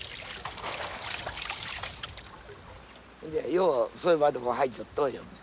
ようそれまでも入っちょっとうよ。